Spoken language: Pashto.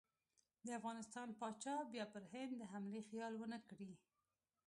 د افغانستان پاچا بیا پر هند د حملې خیال ونه کړي.